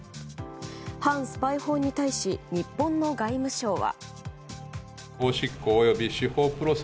反スパイ法に対し日本の外務省は。